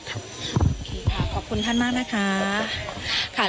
โทษทีขอบคุณท่านมาก